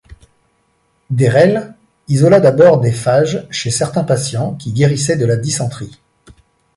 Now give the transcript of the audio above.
D'Hérelle isola d'abord des phages chez certains patients qui guérissaient de la dysenterie.